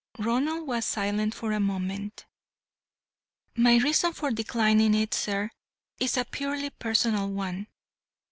Ronald was silent for a moment. "My reason for declining it, sir, is a purely personal one.